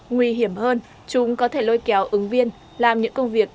nguy hiểm hơn chúng có thể lôi kéo ứng viên làm những công việc